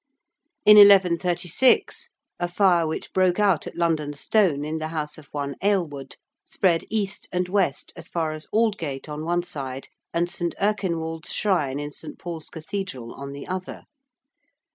In 1136, a fire which broke out at London Stone, in the house of one Aylward, spread east and west as far as Aldgate on one side and St. Erkinwald's shrine in St. Paul's Cathedral on the other.